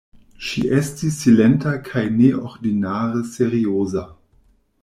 Ŝi estis silenta kaj neordinare serioza.